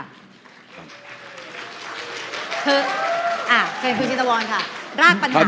คือคุณชินวรค่ะ